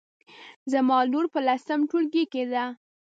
زما لور په لسم ټولګي کې ده